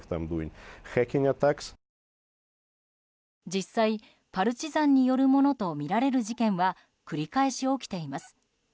実際、パルチザンによるものとみられる事件は繰り返し起きています。